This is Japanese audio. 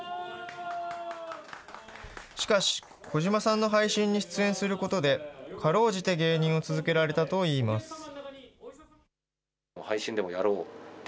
しかし、児島さんの配信に出演することで、かろうじて芸人を続けられたといいます。